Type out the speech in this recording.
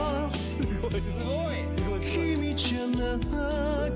すごい！